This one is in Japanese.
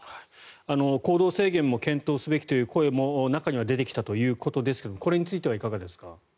行動制限も検討すべきという声も中には出てきたということですがこれについてはいかがですか？